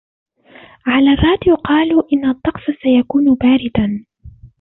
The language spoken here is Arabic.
على الراديو قالوا إن الطقسَ سيكونُ بارداً